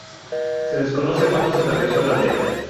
Se desconoce cuándo se estableció la aldea.